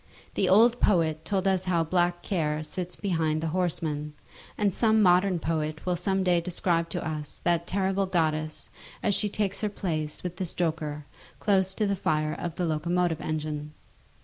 The old poet told us how Black Care sits behind the horseman, and some modern poet will some day describe to us that terrible goddess as she takes her place with the stoker close to the fire of the locomotive engine.